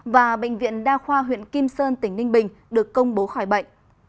và bệnh viện đa khoa huyện kim sơn tỉnh ninh bình được công bố khỏi bệnh